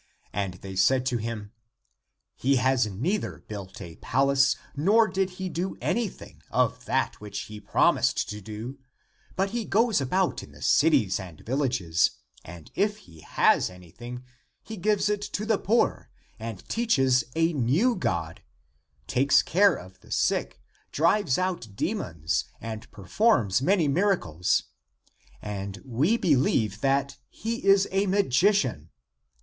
And they said to him, " He has neither built a palace nor did he do anything of that which he promised to do but he goes about in the cities and villages, and if he has anything, he gives it to the poor, and teaches a new God, takes care of the sick, drives out de mons, and performs many miracles. And we be lieve that he is a magician.